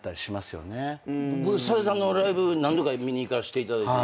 僕さださんのライブ何度か見に行かせていただいて。